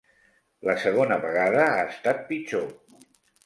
La segona vegada ha estat pitjor.